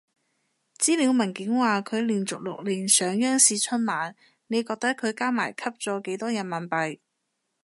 資料文件話佢連續六年上央視春晚，你覺得佢加埋吸咗幾多人民幣？